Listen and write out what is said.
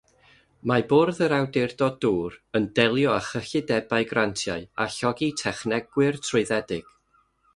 Mae bwrdd yr awdurdod dŵr yn delio â chyllidebau, grantiau a llogi technegwyr trwyddedig.